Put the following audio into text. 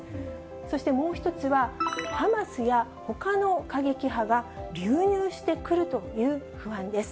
そしてもう１つはハマスや、ほかの過激派が流入してくるという不安です。